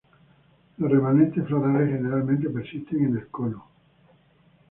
Los remanentes florales generalmente persisten en el cono.